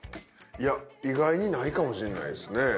いや意外にないかもしんないですね。